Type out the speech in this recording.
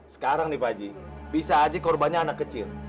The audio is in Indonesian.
sekarang nih pak aji bisa aji korbannya anak kecil